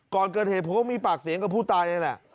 ก่อนเกิดเหตุผมก็มีปากเสียงกับผู้ตายเลยแหละ